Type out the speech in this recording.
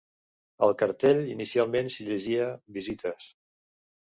Al cartell, inicialment s'hi llegia "Visites".